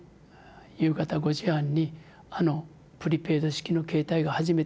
夕方５時半にあのプリペイド式の携帯が初めて鳴ったんです。